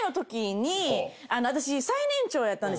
私。